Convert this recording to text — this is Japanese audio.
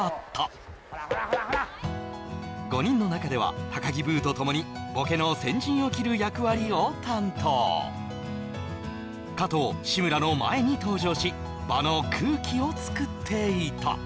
５人の中では高木ブーとともにボケの先陣を切る役割を担当加藤志村の前に登場し場の空気をつくっていた